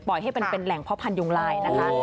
ปล่อยให้เป็นแหล่งพระพันธุ์ยุงราย